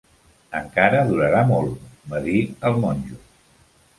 "Encara durarà molt", va dir al monjo.